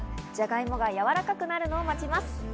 じゃがいもがやわらかくなるのを待ちます。